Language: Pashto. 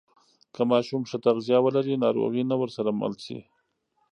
که ماشوم ښه تغذیه ولري، ناروغي نه ورسره مل شي.